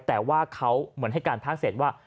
แต่ว่าเขาเหมือนให้การภาคเศษว่า